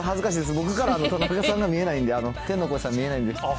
僕から田中さんが見えないんで、天の声さん見えないんで。